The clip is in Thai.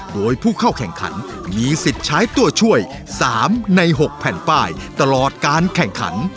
โดยผู้เข้าแข่งขันมีสิทธิ์ใช้ตัวช่วย๓ใน๖แผ่นป้ายตลอดการแข่งขัน